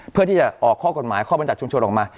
เพื่อที่จะออกข้อกฎหมายข้อบรรยัชชุมชนออกมา